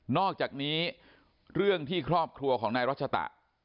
อกจากนี้เรื่องที่ครอบครัวของนายรัชตะ